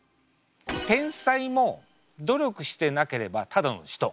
天才も努力してなければただの人。